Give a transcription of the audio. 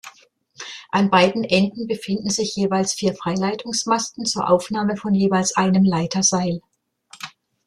An beiden Enden befinden sich jeweils vier Freileitungsmasten zur Aufnahme von jeweils einem Leiterseil.